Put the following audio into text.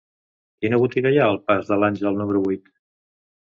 Quina botiga hi ha al pas de l'Àngel número vuit?